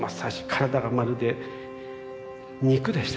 体がまるで肉でした。